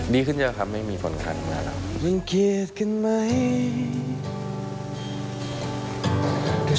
ดีขึ้นเยอะครับไม่มีฝนคันเมื่อเรา